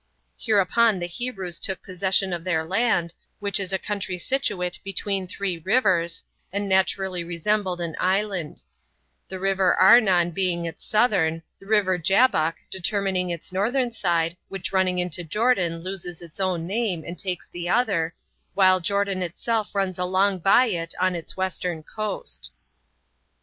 Hereupon the Hebrews took possession of their land, which is a country situate between three rivers, and naturally resembled an island: the river Arnon being its southern; the river Jabbok determining its northern side, which running into Jordan loses its own name, and takes the other; while Jordan itself runs along by it, on its western coast.